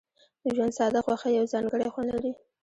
د ژوند ساده خوښۍ یو ځانګړی خوند لري.